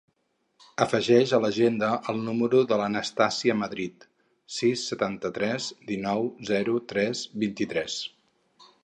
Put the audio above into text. Afegeix a l'agenda el número de l'Anastàsia Madrid: sis, setanta-tres, dinou, zero, tres, vuitanta-tres.